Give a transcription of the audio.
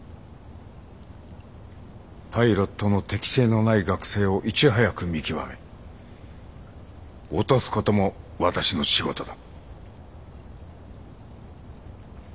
パイロットの適性のない学生をいち早く見極め落とすことも私の仕事だ。